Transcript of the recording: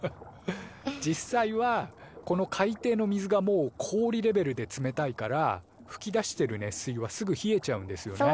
実際はこの海底の水がもう氷レベルで冷たいからふき出してる熱水はすぐ冷えちゃうんですよね。